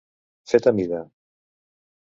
Fet a mida.